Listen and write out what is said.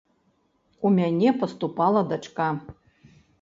У мяне паступала дачка.